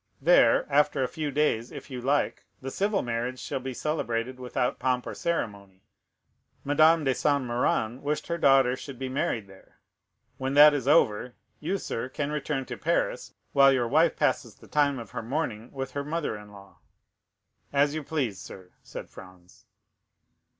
There, after a few days, if you like, the civil marriage shall be celebrated without pomp or ceremony. Madame de Saint Méran wished her daughter should be married there. When that is over, you, sir, can return to Paris, while your wife passes the time of her mourning with her mother in law." "As you please, sir," said Franz.